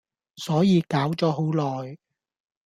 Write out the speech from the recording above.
所以搞咗好耐